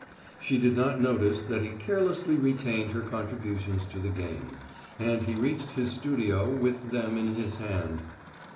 She did not notice that he carelessly retained her contributions to the game, and he reached his studio with them in his hand.